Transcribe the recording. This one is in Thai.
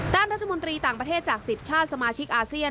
ด้านรัฐมนตรีต่างประเทศจาก๑๐ชาติสมาชิกอาเซียน